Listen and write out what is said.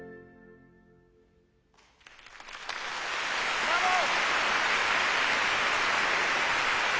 ブラボー！